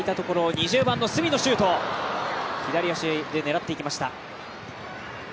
２０番の角のシュート左足で狙っていきました。